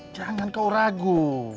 jangan kau ragu